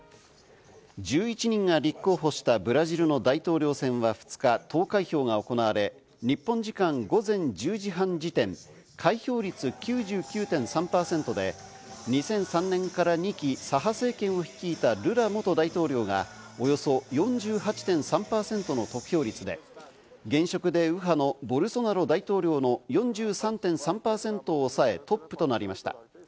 １１人が立候補したブラジルの大統領選は２日投開票が行われ、日本時間午前１０時半時点、開票率９９．３％で、２００３年から２期、左派政権を率いたルラ元大統領がおよそ４８．３％の得票率で現職で右派のボルソナロ大統領の４３．３％を抑え、トップとなりました。